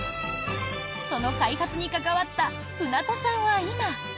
その開発に関わった舟渡さんは今。